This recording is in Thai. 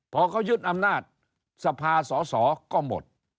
พอเขายึดอำนาจสภาสอสอก็หมด